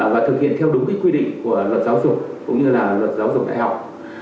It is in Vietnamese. và thực hiện theo đúng cái quy định của luật giáo dục cũng như là luật giáo dục đại học